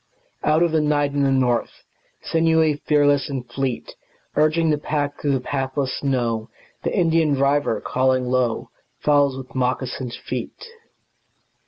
Out of the night and the north, Sinewy, fearless and fleet, Urging the pack through the pathless snow, The Indian driver, calling low, Follows with moccasined feet.